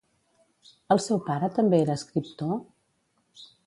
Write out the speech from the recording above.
El seu pare també era escriptor?